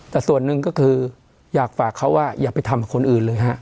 แต่ส่วนหนึ่งก็คืออยากฝากเขาว่าอย่าไปทำกับคนอื่นเลยฮะ